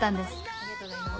ありがとうございます。